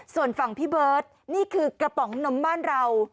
ส่วนฝั่งพี่เบิร์ตนี่คือกระป๋องนมบ้านเรา